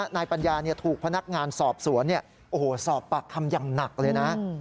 นายปัญญาถูกพนักงานสอบสวนสอบปากคำอย่างหนักเลยนะ